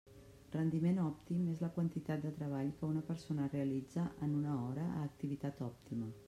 Rendiment òptim és la quantitat de treball que una persona realitza en una hora a activitat òptima.